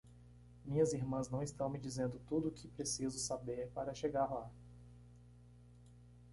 Minhas irmãs não estão me dizendo tudo o que preciso saber para chegar lá.